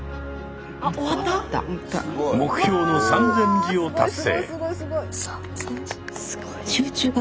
目標の３，０００字を達成。